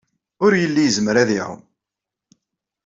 Ur yelli yezmer ad iɛum.